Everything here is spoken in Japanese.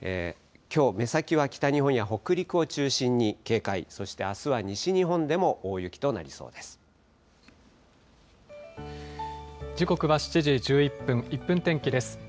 きょう、目先は北日本や北陸を中心に警戒、そしてあすは西日本でも大雪とな時刻は７時１１分、１分天気です。